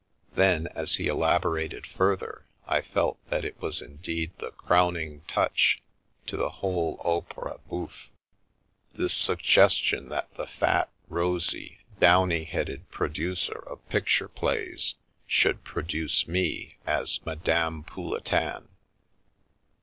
Then, as he elaborated further, I felt that it was indeed the crowning touch to the whole opera bouffe, this suggestion that the fat, rosy, downy headed producer of picture plays should produce me as Madame Pouletin.